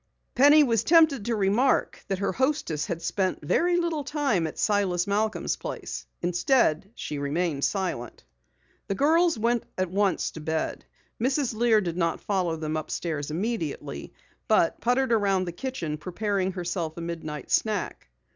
Penny was tempted to remark that her hostess had spent very little time at Silas Malcom's place. Instead she remained silent. The girls went at once to bed. Mrs. Lear did not follow them upstairs immediately, but puttered about the kitchen preparing herself a midnight snack.